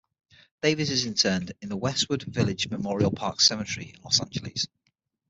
Davis is interred in the Westwood Village Memorial Park Cemetery in Los Angeles.